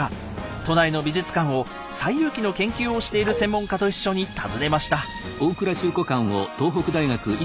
都内の美術館を「西遊記」の研究をしている専門家と一緒に訪ねました。